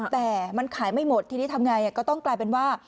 แต่มันขายไม่หมดทีนี้ทำไงก็ต้องกลายเป็นว่า